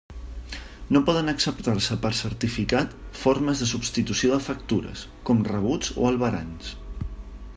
No poden acceptar-se per a certificat formes de substitució de factures, com rebuts o albarans.